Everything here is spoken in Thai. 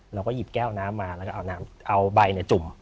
เราก็หยิบแก้วน้ำมาแล้วก็เอาใบจุ่ม